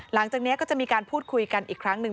หลังจากนี้ก็จะมีการพูดคุยกันอีกครั้งหนึ่ง